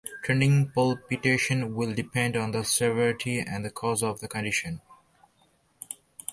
Treating palpitation will depend on the severity and cause of the condition.